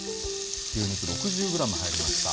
牛肉６０ｇ入りました。